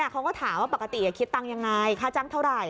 เขาก็ถามว่าปกติคิดตังค์ยังไงค่าจ้างเท่าไหร่